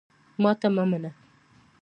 ماته مه منه !